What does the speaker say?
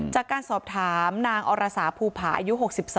จากการสอบถามนางอรสาภูผาอายุ๖๒